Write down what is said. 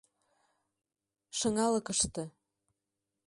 ШЫҤАЛЫКЫШТЕ